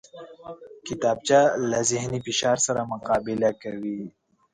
کتابچه له ذهني فشار سره مقابله کوي